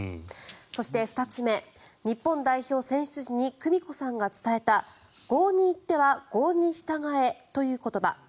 そして、２つ目日本代表選出時に久美子さんが伝えた郷に入っては郷に従えという言葉。